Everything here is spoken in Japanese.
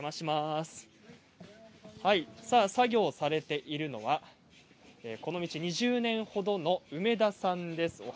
作業されているのはこの道２０年ほどの梅田さんです。